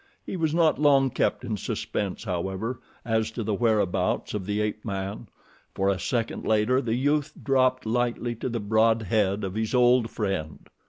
He was not long kept in suspense, however, as to the whereabouts of the ape man, for a second later the youth dropped lightly to the broad head of his old friend.